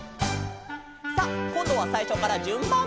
「」さあこんどはさいしょからじゅんばん！